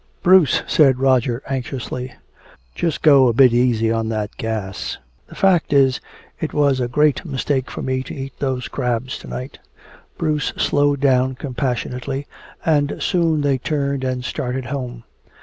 "Bruce," said Roger anxiously, "just go a bit easy on that gas. The fact is, it was a great mistake for me to eat those crabs to night." Bruce slowed down compassionately, and soon they turned and started home.